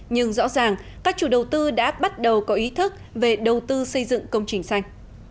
nhưng rõ ràng các chủ đầu tư đã bắt đầu có ý thức về đầu tư xây dựng công trình xanh